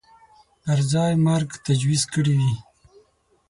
پر ځای مرګ تجویز کړی وي